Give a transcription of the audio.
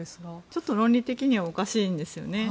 ちょっと論理的にはおかしいんですよね。